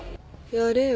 やれよ。